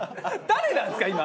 誰なんすか？